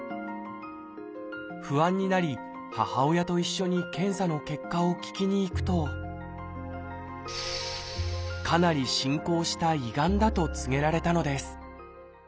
不安になり母親と一緒に検査の結果を聞きに行くとかなり進行した胃がんだと告げられたのです